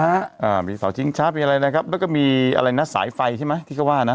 อ่ามีเสาชิงช้ามีอะไรนะครับแล้วก็มีอะไรนะสายไฟใช่ไหมที่เขาว่านะ